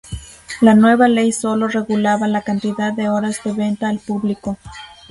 La nueva ley solo regulaba la cantidad de horas de venta al público.